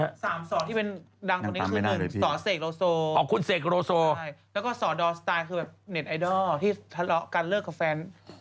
หนึ่งถามไม่นานเลยพี่